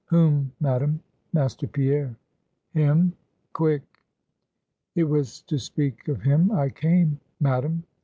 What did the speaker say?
"Whom, Madam? Master Pierre?" "Him! quick!" "It was to speak of him I came, Madam.